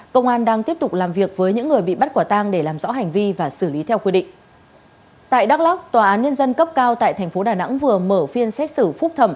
công an đang tiếp tục làm việc với những người bị bắt quả tang để làm rõ hành vi và xử lý theo quy định